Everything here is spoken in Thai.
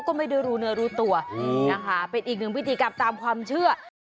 ก็ไม่ได้รู้เนื้อรู้ตัวนะคะเป็นอีกหนึ่งพิธีกรรมตามความเชื่อ